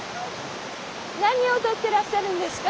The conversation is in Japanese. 何をとってらっしゃるんですか？